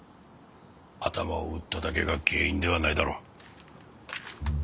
頭を打っただけが原因ではないだろう。